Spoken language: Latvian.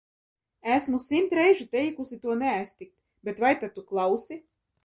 Esmu simt reižu teikusi to neaiztikt, bet vai tad tu klausi?